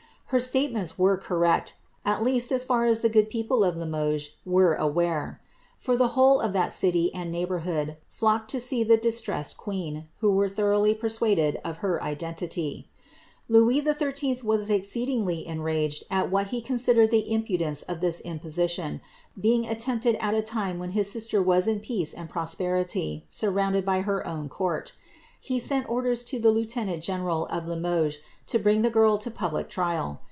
Her ratements were correct^ at least, as far as the good people of Limoges vere aware — for the whole of that city and neighbourhood flocked to <ee the distressed queen, and were thoroughly persuaded of her iden tity. Louis XIII. was exceedingly enraged at what he considered the impudence of this imposition, being attempted at a time when his sister v'a^ in peace and prosperity, surrounded by her own court. He sent orders to the lieutenant general of Limoges to bring the girl to public trial.